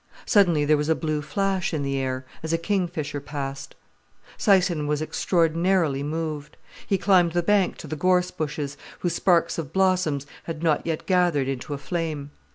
Suddenly there was a blue flash in the air, as a kingfisher passed. Syson was extraordinarily moved. He climbed the bank to the gorse bushes, whose sparks of blossom had not yet gathered into a flame.